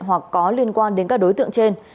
hoặc có liên quan đến các đối tượng trên